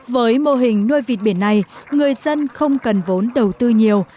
với mô hình nuôi vịt biển này người dân không cần vốn đầu tư nhiều